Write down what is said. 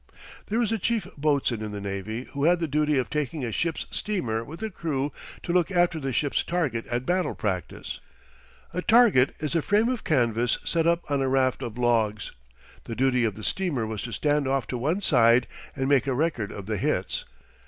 There is a chief boatswain in the navy who had the duty of taking a ship's steamer with a crew to look after the ship's target at battle practice. A target is a frame of canvas set up on a raft of logs. The duty of the steamer was to stand off to one side and make a record of the hits.